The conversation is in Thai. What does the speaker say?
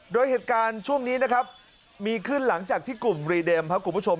โดยเหตุการณ์ช่วงนี้นะครับมีขึ้นหลังจากที่กลุ่มรีเดมครับคุณผู้ชม